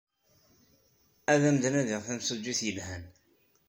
Ad am-d-nadiɣ timsujjit yelhan.